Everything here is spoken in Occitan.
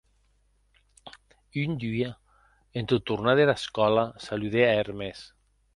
Un dia, en tot tornar dera escòla, saludè a Hermes.